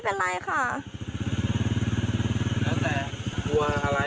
พี่ขับตามหนูมาทำไม